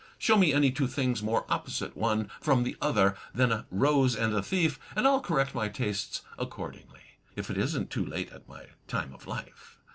Show me any two things more opposite one from the other than a rose and a thief, and I'll correct my tastes accordingly — ^if it isn't too late at my time of life.